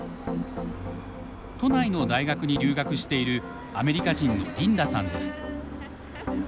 都内の大学に留学しているアメリカ人のリンダさんです。